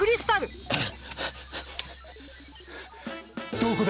どこだ？